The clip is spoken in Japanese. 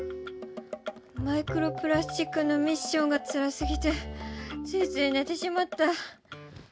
マイクロプラスチックのミッションがつらすぎてついついねてしまった！